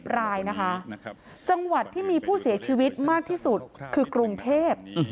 รายนะคะจังหวัดที่มีผู้เสียชีวิตมากที่สุดคือกรุงเทพ